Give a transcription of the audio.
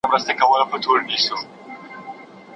ایا مغول له زوال وروسته بدل سوي وو؟